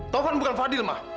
taufan bukan fadil mah